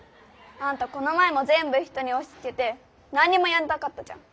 あんたこの前もぜんぶ人におしつけてなんにもやらなかったじゃん。